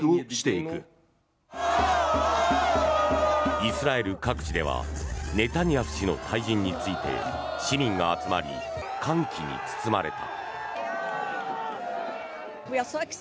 イスラエル各地ではネタニヤフ氏の退陣について市民が集まり歓喜に包まれた。